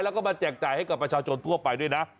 แล้วก็มาแจกจ่ายให้กับประชาชนทั่วไปด้วยนะ